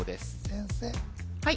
先生はい